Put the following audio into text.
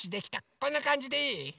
こんなかんじでいい？